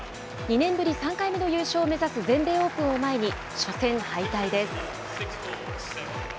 ２年ぶり３回目の優勝を目指す全米オープンを前に、初戦敗退です。